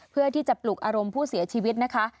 เพื่อที่จะปลุกอารมณ์ผู้เสียชีวิตนะคะ